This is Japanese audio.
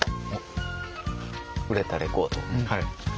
売れたレコード。